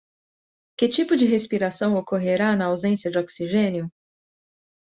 Que tipo de respiração ocorrerá na ausência de oxigênio?